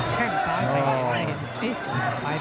แข้งซ้ายไปไม่เห็น